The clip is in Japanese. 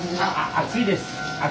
熱いです。